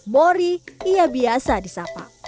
mori ia biasa di sapa